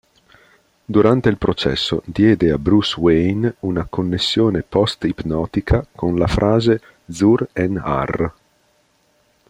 Durante il processo, diede a Bruce Wayne una connessione post-ipnotica con la frase "Zur-En-Arrh".